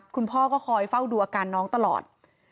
คุณพ่อก็คอยเฝ้าดูอาการน้องตลอด